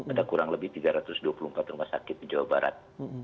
ada kurang lebih tiga ratus dua puluh empat rumah sakit di jawa barat